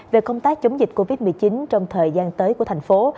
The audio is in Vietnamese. về công tác chống dịch covid một mươi chín trong thời gian tới của thành phố